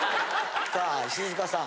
さあ石塚さん。